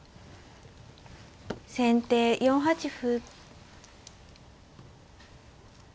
先手４八歩。